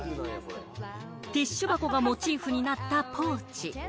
ティッシュ箱がモチーフになったポーチ。